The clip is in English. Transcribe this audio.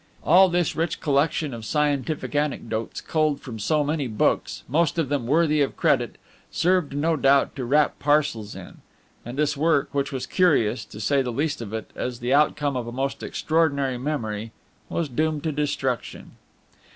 All this rich collection of scientific anecdotes, culled from so many books, most of them worthy of credit, served no doubt to wrap parcels in; and this work, which was curious, to say the least of it, as the outcome of a most extraordinary memory, was doomed to destruction.